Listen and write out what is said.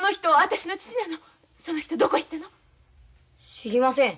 知りません。